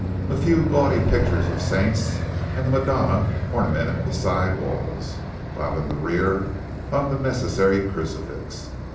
A few gaudy pictures of Saints and the Madonna ornamented the side walls, while in the rear hung the necessary crucifix.